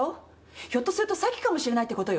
ひょっとすると詐欺かもしれないってことよ。